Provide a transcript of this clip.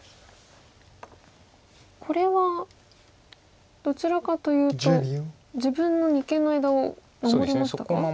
これはどちらかというと自分の二間の間を守りましたか？